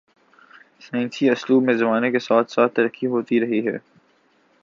سائنسی اسلوب میں زمانے کے ساتھ ساتھ ترقی ہوتی رہی ہے۔